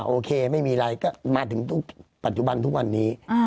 โอเคไม่มีอะไรก็มาถึงปัจจุบันทุกวันนี้